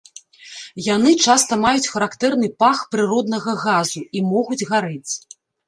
Яны часта маюць характэрны пах прыроднага газу, і могуць гарэць.